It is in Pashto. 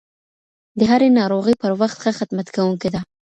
د هري ناروغۍ پر وخت ښه خدمت کوونکې ده